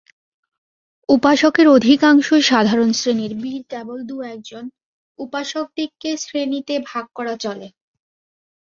উপাসকের অধিকাংশই সাধারণ শ্রেণীর, বীর কেবল দু-একজন, উপাসকদিগকে শ্রেণীতে ভাগ করা চলে।